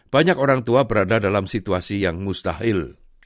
banyak orang tua berada dalam situasi yang mustahil